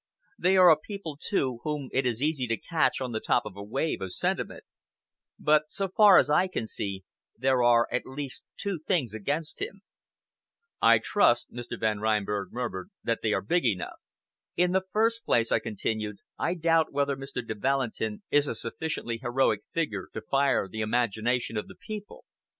They are a people, too, whom it is easy to catch on the top of a wave of sentiment. But, so far as I can see, there are at least two things against him." "I trust," Mr. Van Reinberg murmured, "that they are big enough." "In the first place," I continued, "I doubt whether Mr. de Valentin is a sufficiently heroic figure to fire the imagination of the people.